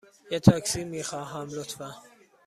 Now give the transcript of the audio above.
یه تاکسی می خواهم، لطفاً.